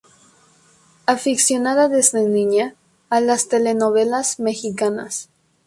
Aficionada desde niña a las telenovelas mexicanas.